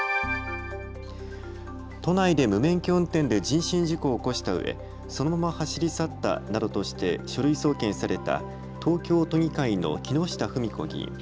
都内で無免許運転で人身事故を起こしたうえ、そのまま走り去ったなどとして書類送検された東京都議会の木下富美子議員。